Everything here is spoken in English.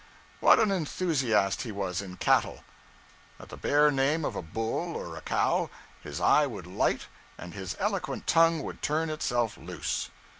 What an enthusiast he was in cattle! At the bare name of a bull or a cow, his eye would light and his eloquent tongue would turn itself loose.